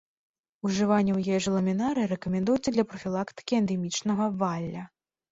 Ужыванне ў ежу ламінарыі рэкамендуецца для прафілактыкі эндэмічнага валля.